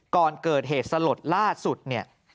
ก่อนเกิดเหตุสลดล่าสุดเนี่ย